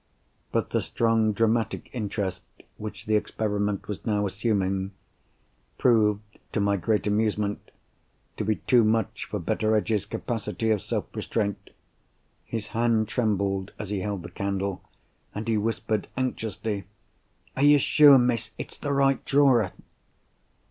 But the strong dramatic interest which the experiment was now assuming, proved (to my great amusement) to be too much for Betteredge's capacity of self restraint. His hand trembled as he held the candle, and he whispered anxiously, "Are you sure, miss, it's the right drawer?"